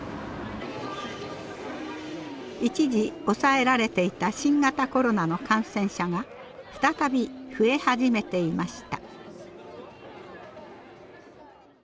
一時抑えられていた新型コロナの感染者が再び増え始めていました。